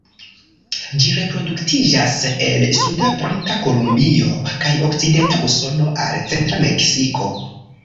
Ĝi reproduktiĝas el suda Brita Kolumbio kaj okcidenta Usono al centra Meksiko.